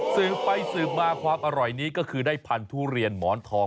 สืบไปสืบมาความอร่อยนี้ก็คือได้พันธุเรียนหมอนทอง